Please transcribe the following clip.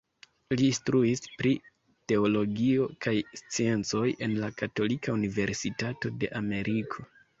Li instruis pri teologio kaj sciencoj en la Katolika Universitato de Ameriko.